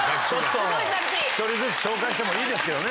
１人ずつ紹介してもいいですけどね。